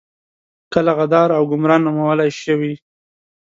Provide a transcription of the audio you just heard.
کله غدار او ګمرا نومول شوي.